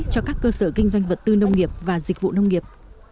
cho các cơ sở kinh doanh vật tư nông nghiệp và dịch vụ nông nghiệp